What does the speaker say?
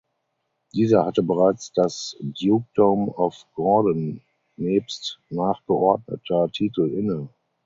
Dieser hatte bereits das Dukedom of Gordon nebst nachgeordneter Titel inne.